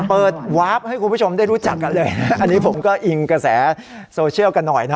เปิดวาร์ฟให้คุณผู้ชมได้รู้จักกันเลยนะอันนี้ผมก็อิงกระแสโซเชียลกันหน่อยนะ